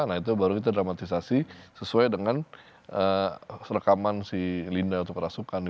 nah itu baru kita dramatisasi sesuai dengan rekaman si linda atau perasukan